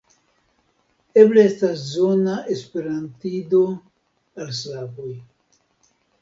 Eble estas zona esperantido al slavoj.